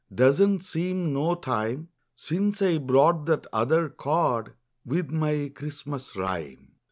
Doesn't seem no time Since I brought that other card With my Christmas rhyme.